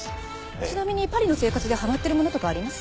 ちなみにパリの生活ではまってるものとかあります？